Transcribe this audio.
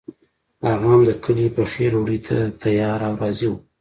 هغه هم د کلي پخې ډوډۍ ته تیار او راضي وو.